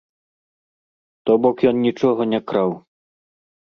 То бок ён нічога не краў.